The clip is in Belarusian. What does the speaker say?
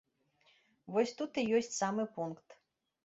Вось тут і ёсць самы пункт.